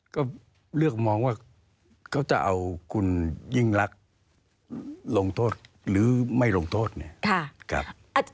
ก็เลือกมองว่าเขาจะเอาคุณยิ่งรักลงโทษหรือไม่ลงโทษเนี่ย